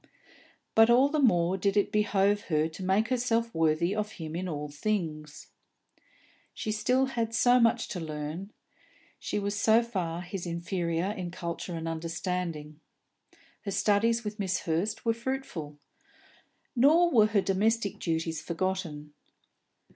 But all the more did it behove her to make herself worthy of him in all things. She had still so much to learn; she was so far his inferior in culture and understanding. Her studies with Miss Hurst were fruitful. Nor were her domestic duties forgotten.